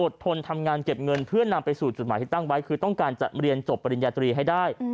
ทนทำงานเก็บเงินเพื่อนำไปสู่จุดหมายที่ตั้งไว้คือต้องการจะเรียนจบปริญญาตรีให้ได้